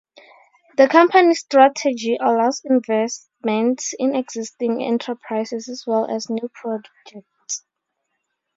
The company's strategy allows investments in existing enterprises as well as new projects.